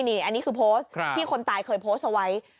อันนี้คือโพสต์ที่คนตายเคยโพสต์เอาไว้